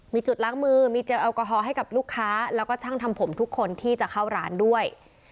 มีจุดล้างมือมีเจลแอลกอฮอล์ให้กับลูกค้าแล้วก็ช่างทำผมทุกคนที่จะเข้าร้านด้วย